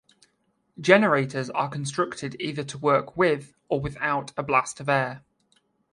Generators are constructed either to work with or without a blast of air.